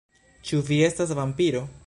Ĉu vi estas vampiro?